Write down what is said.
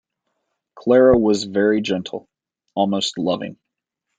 Clara was very gentle, almost loving.